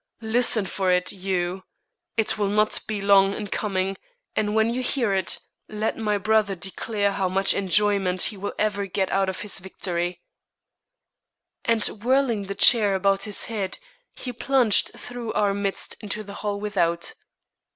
Listen for it, you. It will not be long in coming, and when you hear it, let my brother declare how much enjoyment he will ever get out of his victory." And whirling the chair about his head, he plunged through our midst into the hall without.